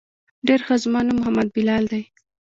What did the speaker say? ډېر ښه زما نوم محمد بلال ديه.